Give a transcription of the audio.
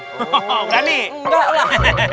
berani enggak lah